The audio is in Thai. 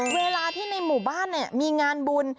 เวลาที่ในหมู่บ้านมีงานบุญ